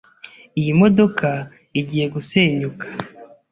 Iyi modoka igiye gusenyuka.